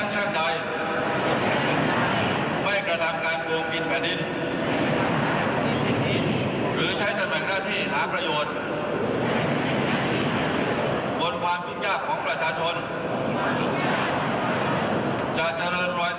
จะเจริญรอยตามเบื้องพระยุคมลวัฒนธรรมในประจาของเศรษฐกิจพอเพียง